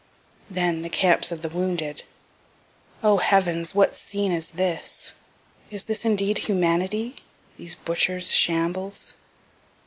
Then the camps of the wounded O heavens, what scene is this? is this indeed humanity these butchers' shambles?